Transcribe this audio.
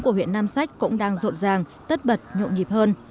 của huyện nam sách cũng đang rộn ràng tất bật nhộn nhịp hơn